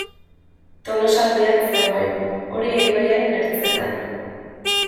Tolosaldean zegoen, Oria ibaiaren ertzetan.